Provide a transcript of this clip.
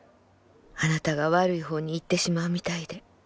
あなたが悪い方に行ってしまうみたいで」。